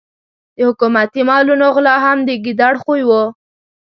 د حکومتي مالونو غلا هم د ګیدړ خوی وو.